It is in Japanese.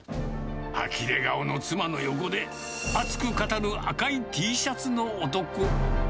あきれ顔の妻の横で、熱く語る赤いＴシャツの男。